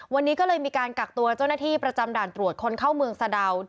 วันนี้ก็เลยมีการกักตัวเจ้าหน้าที่ประจำด่านตรวจคนเข้าเมืองสะดาว